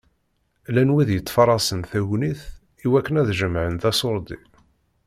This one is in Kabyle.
Llan wid yettfaṛaṣen tagnit i wakken ad d-jemεen aṣuṛdi.